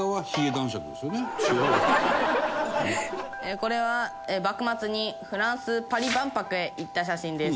これは幕末にフランスパリ万博へ行った写真です。